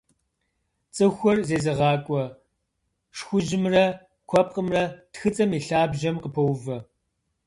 Цӏыхур зезыгъакӏуэ шхужьымрэ куэпкъымрэ тхыцӏэм и лъабжьэм къыпоувэ.